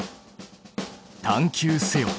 探究せよ！